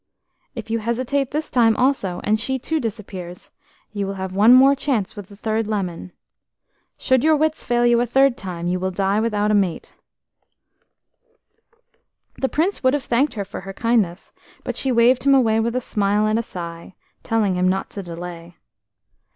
If you hesitate this time also, and she too disappears, you will have one more chance with the third lemon. Should your wits fail you a third time, you will die without a mate." HE Prince would have thanked her for her kindness, but she waved him away with a smile and a sigh, telling him not to delay.